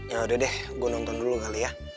ya udah deh gue nonton dulu kali ya